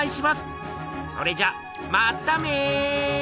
それじゃまため！